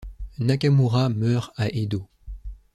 Nakamura meurt à Edo.